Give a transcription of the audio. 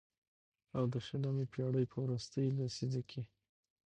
او د شلمې پېړۍ په وروستۍ لسيزه کې